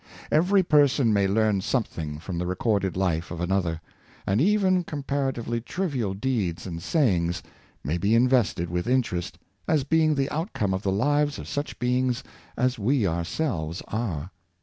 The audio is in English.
Every person may learn something from the recorded life of another; and even comparatively trivial deeds and sayings may be invested Great Lesson of Btography. 547 with interest, as being the outcome of the Hves of such beings as we ourselves are.